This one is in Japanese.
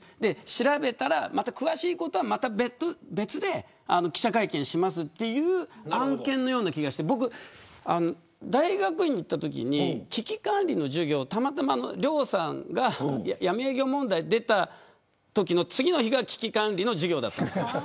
調べたら詳しいことは別途で記者会見しますという案件のような気がして僕、大学院に行ったときに危機管理の授業たまたま、亮さんが闇営業問題が出たときの次の日が危機管理の授業だったんです。